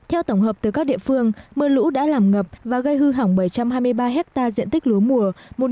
theo tổng hợp từ các địa phương mưa lũ đã làm ngập và gây hư hỏng bảy trăm hai mươi ba hectare diện tích lúa mùa